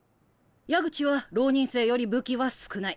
矢口は浪人生より武器は少ない。